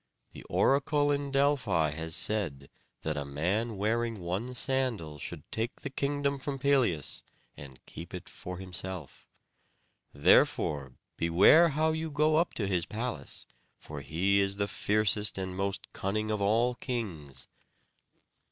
The oracle in Delphi has said, that a man wearing one sandal should take the kingdom from Pelias, and keep it for himself. Therefore beware how you go up to his palace, for he is the fiercest and most cunning of all kings."